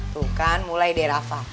tuh kan mulai derafa